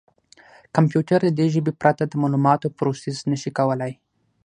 کمپیوټر د دې ژبې پرته د معلوماتو پروسس نه شي کولای.